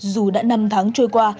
dù đã năm tháng trôi qua